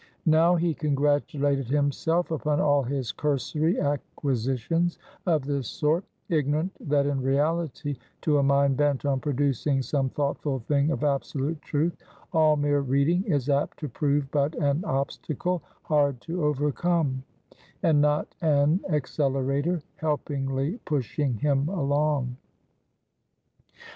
Now he congratulated himself upon all his cursory acquisitions of this sort; ignorant that in reality to a mind bent on producing some thoughtful thing of absolute Truth, all mere reading is apt to prove but an obstacle hard to overcome; and not an accelerator helpingly pushing him along.